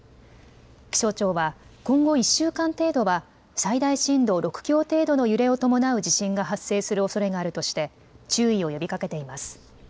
気象庁は今後１週間程度は最大震度６強程度の揺れを伴う地震が発生するおそれがあるとして注意を呼びかけています。